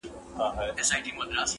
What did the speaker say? او د نیکه نکلونه نه ختمېدل،